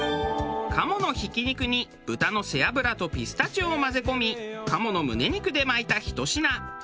鴨のひき肉に豚の背脂とピスタチオを混ぜ込み鴨のむね肉で巻いたひと品。